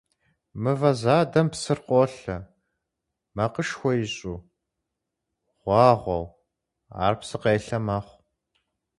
Мывэ задэм псыр къолъэ, макъышхуэ ищӀу, гъуагъуэу, ар псыкъелъэ мэхъу.